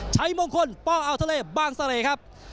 ชัยมงคลปอาวทะเลบ้างสะเลครับ